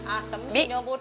aduh asem nyobot